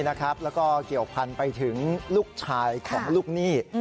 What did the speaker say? แล้วก็เกี่ยวพันไปถึงลูกชายของลูกหนี้